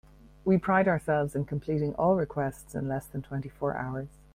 We pride ourselves in completing all requests in less than twenty four hours.